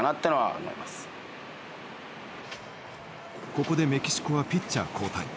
ここでメキシコはピッチャー交代。